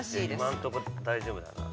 ◆今のところ大丈夫だから。